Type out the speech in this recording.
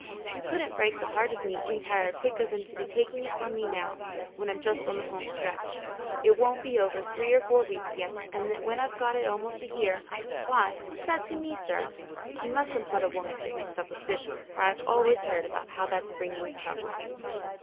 You couldn't break the heart of me entire quicker than to be taking it from me now, when I'm just on the home stretch. It won't be over three or four weeks yet, and when I've gone it almost a year, why, what's that to me, sir? You mustn't let a woman get mixed up with business, for I've always heard about how it's bringing trouble."